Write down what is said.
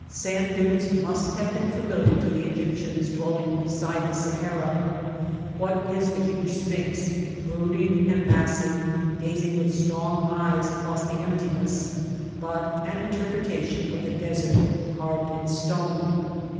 Sand dunes must have been familiar to the Egyptians dwelling beside the Sahara. What is the huge sphinx, brooding and massive, gazing with strong eyes across the emptiness, but an interpretation of the desert carved in stone?